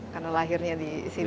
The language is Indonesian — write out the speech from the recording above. karena lahirnya di sini ya